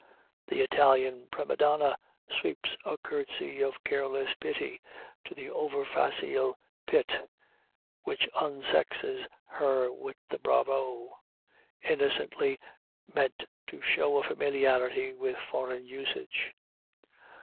The Italian prima donna sweeps a curtsy of careless pity to the over facile pit which unsexes her with the bravo! innocently meant to show a familiarity with foreign usage.